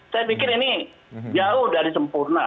saya pikir ini jauh dari sempurna